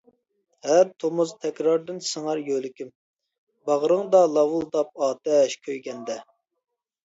ھەر تومۇز تەكراردىن سىڭەر يۆلىكىم، باغرىڭدا لاۋۇلداپ ئاتەش كۆيگەندە.